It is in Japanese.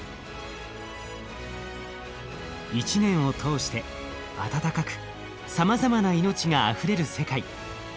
一年を通して暖かくさまざまな命があふれる世界。